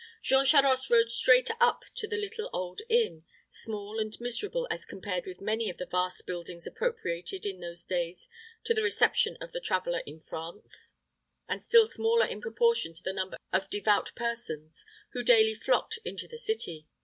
Jean Charost rode straight up to the little old inn small and miserable as compared with many of the vast buildings appropriated in those days to the reception of the traveler in France, and still smaller in proportion to the number of devout persons who daily flocked into the city.